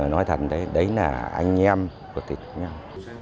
nói thật đấy đấy là anh em của thịt nhau